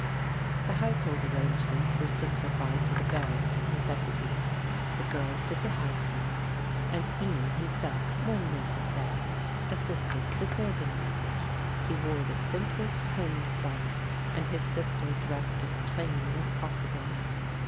The household arrangements were simplified to the barest necessities. The girls did the housework and Ian himself, when necessary, assisted the serving man. He wore the simplest homespun and his sister dressed as plainly as possible.